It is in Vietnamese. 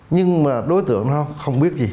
nhưng mà đối tượng nó không biết gì